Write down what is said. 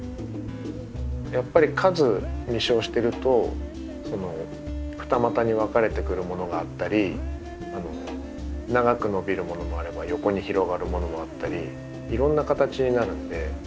やっぱり数実生してると二股に分かれてくるものがあったり長く伸びるものもあれば横に広がるものもあったりいろんな形になるんで。